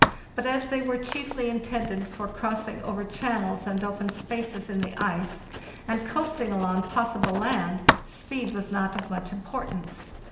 But as they were chiefly intended for crossing over channels and open spaces in the ice, and coasting along possible land, speed was not of much importance.